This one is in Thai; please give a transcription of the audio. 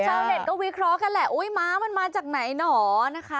ชาวเน็ตก็วิเคราะห์กันแหละอุ๊ยม้ามันมาจากไหนหนอนะคะ